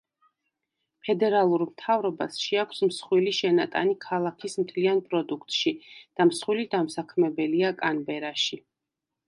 ფედერალურ მთავრობას შეაქვს მსხვილი შენატანი ქალაქის მთლიან პროდუქტში და მსხვილი დამსაქმებელია კანბერაში.